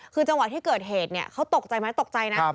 คือจังหวะที่เกิดเหตุเนี่ยเขาตกใจไหมตกใจนะ